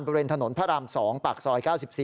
บริเวณถนนพระราม๒ปากซอย๙๔